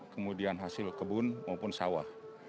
kemudian hasil kebun maupun sawah